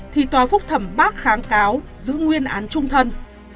thì tòa phúc thẩm bác kháng cáo giữ nguyên án trung thân